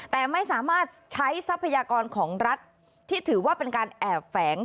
แต่ไม่สามารถใช้ทรัพยากรของรัฐที่ถือว่าเป็นการแอบแฝง